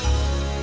ya ke belakang